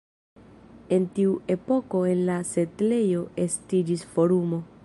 En tiu epoko en la setlejo estiĝis forumo.